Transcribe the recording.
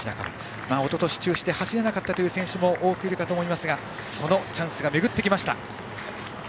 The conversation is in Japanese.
おととし中止で走れなかった選手も多くいるかと思いますがそのチャンスが巡ってきました。